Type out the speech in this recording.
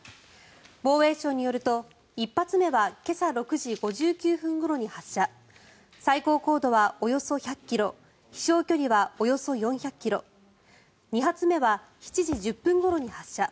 防衛省によると１発目は今朝６時５９分ごろに発射最高高度はおよそ１００ｋｍ飛翔距離はおよそ４００ｋｍ２発目は７時１０分ごろに発射。